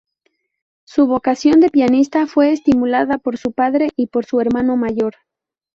Su vocación de pianista fue estimulada por su padre y por su hermano mayor.